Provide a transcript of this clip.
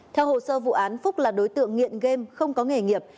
theo hồ sơ vụ án phúc là đối tượng nghiện game không có nghề nghiệp